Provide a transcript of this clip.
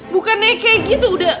bukannya kayak gitu udah